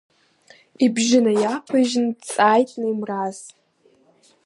Ибжьы наиаԥыжьны дҵааит Ҭемраз.